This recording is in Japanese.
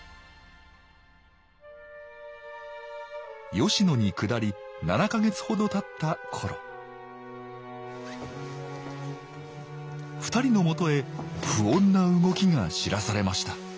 吉野にくだり７か月ほどたった頃２人のもとへ不穏な動きが知らされました